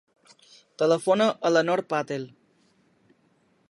Telefona a la Nor Patel.